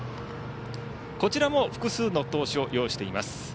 こちらも複数の投手を擁しています。